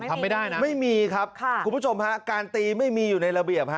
ทำไม่ได้นะครับไม่มีครับก้านตีไม่มีอยู่ในระเบียบ